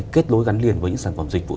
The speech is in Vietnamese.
kết nối gắn liền với những sản phẩm dịch vụ